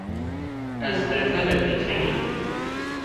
Ez lete-lete kerî